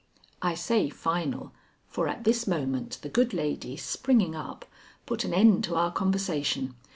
I say final, for at this moment the good lady, springing up, put an end to our conversation.